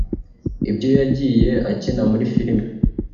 Ibyo yagiye akina muri film